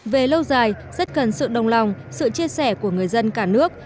về lâu dài rất cần sự đồng lòng sự chia sẻ của người dân cả nước